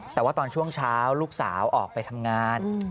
แต่ว่าตอนช่วงเช้าลูกสาวออกไปทำงาน